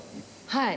はい。